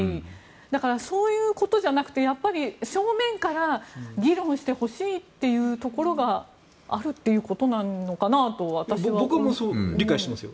だから、そういうことじゃなくて正面から議論してほしいというところがあるということなのかなと私は思いますが。